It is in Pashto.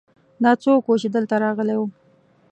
دا څوک ؤ چې دلته راغلی ؤ